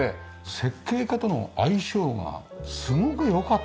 設計家との相性がすごくよかったんですね。